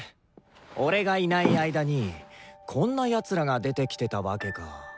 俺がいない間にこんな奴らが出てきてたわけか。